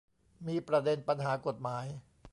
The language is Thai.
มีประเด็นปัญหากฎหมาย